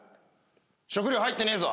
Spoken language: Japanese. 食料入ってねえぞ！